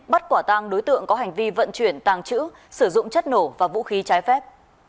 bắt quả tang đối tượng có hành vi vận chuyển tàng trữ sử dụng chất nổ và vũ khí trái phép